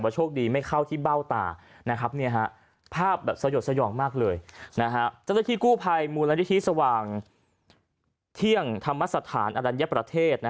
เจ้าหน้าที่กู้ภัยมูลนิธิสว่างเที่ยงธรรมสถานอรัญญประเทศ